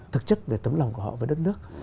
thực chất về tấm lòng của họ với đất nước